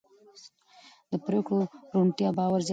د پرېکړو روڼتیا باور زیاتوي